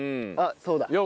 あっそうだ。